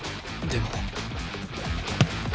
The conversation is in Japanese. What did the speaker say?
でも。